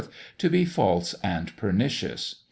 to be false and pernicious.